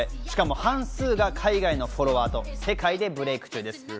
しかも半数が海外のフォロワーと、世界でブレイク中です。